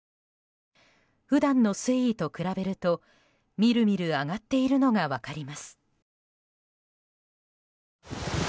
普段の水位と比べるとみるみる上がっているのが分かります。